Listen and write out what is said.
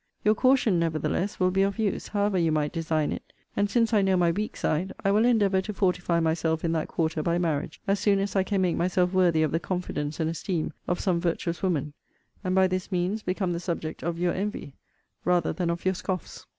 Your caution, nevertheless, will be of use, however you might design it: and since I know my weak side, I will endeavour to fortify myself in that quarter by marriage, as soon as I can make myself worthy of the confidence and esteem of some virtuous woman; and, by this means, become the subject of your envy, rather than of your scoffs.